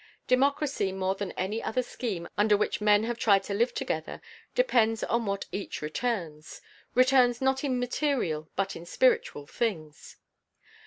Democracy more than any other scheme under which men have tried to live together depends on what each returns returns not in material but in spiritual things.